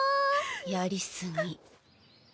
やり過ぎ。